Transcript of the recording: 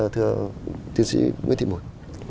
thưa tiến sĩ nguyễn thị mùi